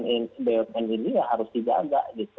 menurut saya ya credibilitas institusi bumn ini ya harus dijaga gitu